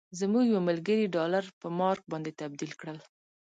زموږ یو ملګري ډالر په مارک باندې تبدیل کړل.